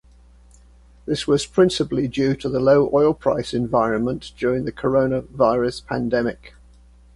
This was principally due to the low oil price environment during the coronavirus pandemic.